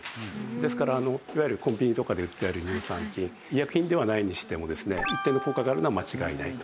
ですからいわゆるコンビニとかで売ってる乳酸菌医薬品ではないにしてもですね一定の効果があるのは間違いないと。